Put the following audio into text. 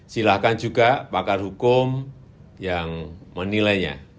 silahkan juga pakar hukum yang menilainya